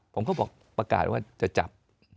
ผมก็บอกประกาศว่าจะจับ